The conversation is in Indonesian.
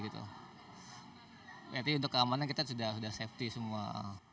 jadi untuk keamanan kita sudah safety semua